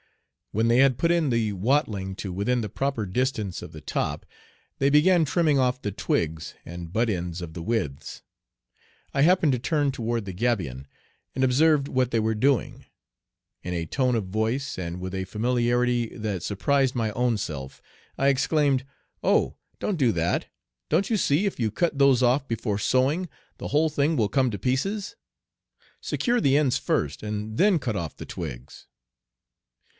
When they had put in the watling to within the proper distance of the top they began trimming off the twigs and butt ends of the withes. I happened to turn toward the gabion and observed what they were doing. In a tone of voice, and with a familiarity that surprised my own self, I exclaimed, "Oh, don't do that. Don't you see if you cut those off before sewing, the whole thing will come to pieces? Secure the ends first and then cut off the twigs."